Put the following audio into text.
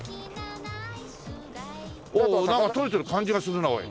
おおなんかとれてる感じがするなおい。